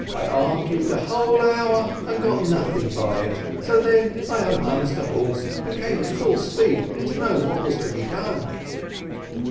I argued a whole hour, and got nothing by it, so then I unharnessed a horse, and came at full speed to know what was to be done."